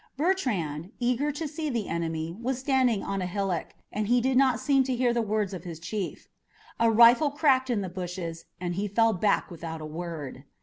Bertrand, eager to see the enemy, was standing on a hillock, and he did not seem to hear the words of his chief. A rifle cracked in the bushes and he fell back without a word.